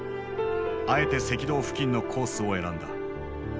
あえて赤道付近のコースを選んだ。